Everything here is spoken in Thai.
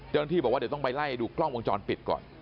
เจ้าหน้าที่บอกว่าเดี๋ยวต้องไปไล่ดูกล้องวงจรปิดก่อน